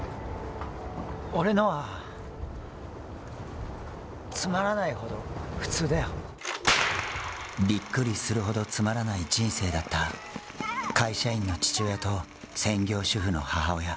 俺のはつまらないほど普通だよビックリするほどつまらない人生だった会社員の父親と専業主婦の母親